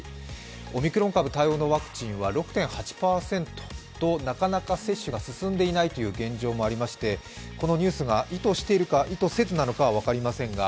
オミクロン株対応のワクチンは６．８％となかなか接種が進んでいない現状がありまして、このニュースが意図しているか意図せずなのかは分かりませんが